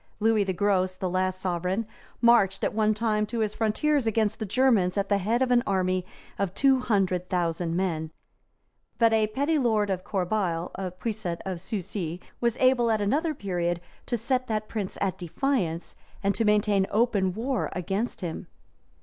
Lewis the Gross, the last sovereign, marched, at one time, to his frontiers against the Germans at the head of an army of two hundred thousand men; but a petty lord of Corbeil, of Puiset, of Couci, was able, at another period, to set that prince at defiance, and to maintain open war against him.